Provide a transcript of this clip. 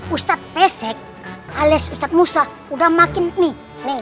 ustaz pesek alias ustaz musa udah makin nih